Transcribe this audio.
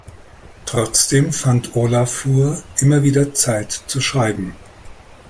Trotzdem fand Ólafur immer wieder Zeit zu schreiben.